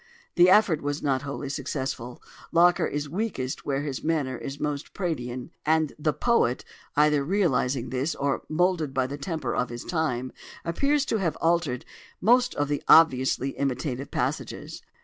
The effort was not wholly successful: Locker is weakest where his manner is most Praedian; and the poet, either realising this, or moulded by the temper of his time, appears to have altered most of the obviously imitative passages.